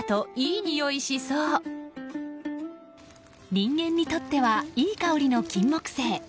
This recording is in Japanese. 人間にとってはいい香りのキンモクセイ。